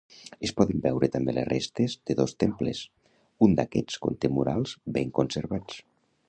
Es poden veure també les restes de dos temples; un d'aquests conté murals ben conservats.